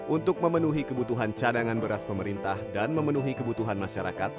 untuk memenuhi kebutuhan cadangan beras pemerintah dan memenuhi kebutuhan masyarakat